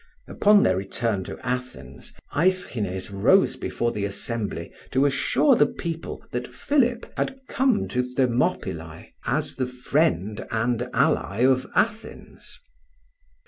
Upon their return to Athens, Aeschines rose before the assembly to assure the people that Philip had come to Thermopylae as the friend and ally of Athens.